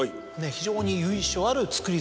非常に由緒ある造り